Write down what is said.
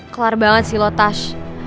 kelar banget sih lo tas